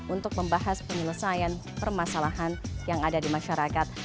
untuk membahas penyelesaian permasalahan yang ada di masyarakat